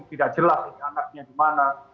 tidak jelas ini anaknya dimana